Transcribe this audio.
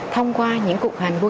thông qua những cuộc hành